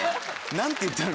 何て言ったの？